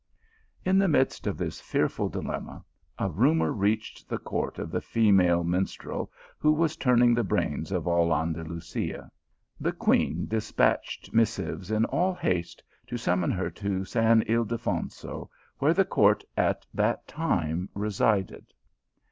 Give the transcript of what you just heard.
In the midst of this fearful dilemma, a rumour reached the court of the female minstrel, who was turning the brains of all Andalusia. The queen despatched missives in all haste, to summon her to St. Ildefonso, where the court at that time resided.